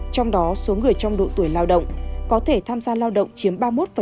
trong đó số người trong độ tuổi lao động có thể tham gia lao động chiếm ba mươi một bốn